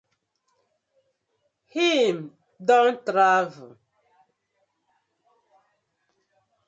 Him don travel.